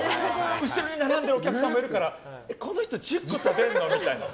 後ろで並んでるお客さんもいるからこの人１０個食べるの？みたいな。